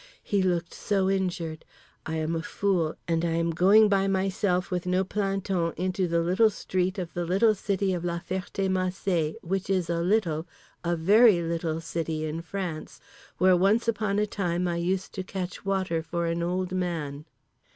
He looked so injured. I am a fool, and I am going into the street, and I am going by myself with no planton into the little street of the little city of La Ferté Macé which is a little, a very little city in France, where once upon a time I used to catch water for an old man….